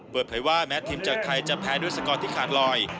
เปิดเผยว่าแม้ทีมจากไทยจะแพ้ด้วยสกอร์ที่ขาดลอย